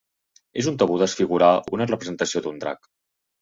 És un tabú desfigurar una representació d'un drac.